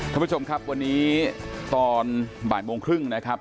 ท่านผู้ชมครับวันนี้ตอนบ่ายโมงครึ่งนะครับ